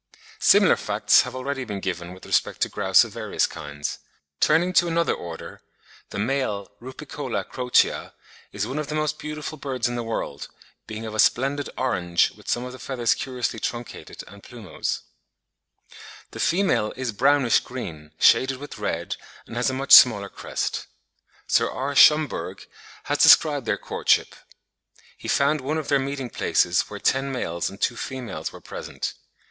Similar facts have already been given with respect to grouse of various kinds. Turning to another Order: The male Rupicola crocea (Fig. 50) is one of the most beautiful birds in the world, being of a splendid orange, with some of the feathers curiously truncated and plumose. The female is brownish green, shaded with red, and has a much smaller crest. Sir R. Schomburgk has described their courtship; he found one of their meeting places where ten males and two females were present.